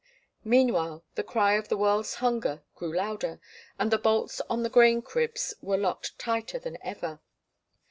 Meanwhile the cry of the world's hunger grew louder, and the bolts on the grain cribs were locked tighter than ever.